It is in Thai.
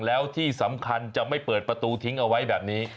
แล้วที่สำคัญจะไม่เปิดประตูทิ้งเอาไว้แบบนี้